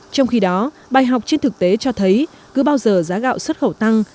trong khi đó bài học trên thực tế cho thấy cứ bao giờ giá gạo xuất khẩu tăng